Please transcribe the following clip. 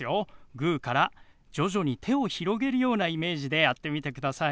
グーから徐々に手を広げるようなイメージでやってみてください。